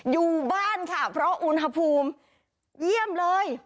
อยู่บ้านค่ะเพราะอุณหภูมิเยี่ยมเลย